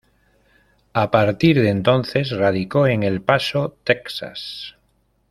A partir de entonces radicó en El Paso, Texas.